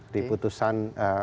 di putusan tiga puluh enam